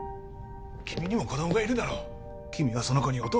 君にも子供がいるだろ君はその子に